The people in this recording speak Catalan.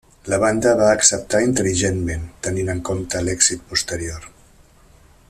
La banda va acceptar intel·ligentment, tenint en compte l'èxit posterior.